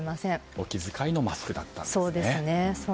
お気遣いのマスクだったんですね。